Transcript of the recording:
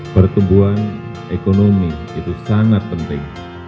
pertumbuhan ekonomi itu sangat penting